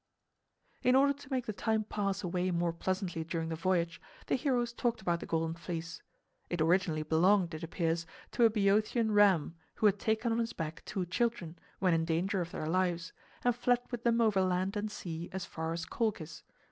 In order to make the time pass away more pleasantly during the voyage, the heroes talked about the Golden Fleece. It originally belonged, it appears, to a Bœotian ram, who had taken on his back two children, when in danger of their lives, and fled with them over land and sea as far as Colchis.